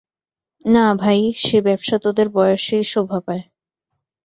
না ভাই, সে ব্যাবসা তোদের বয়সেই শোভা পায়।